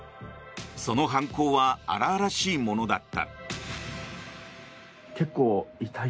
その犯行は荒々しいものだった。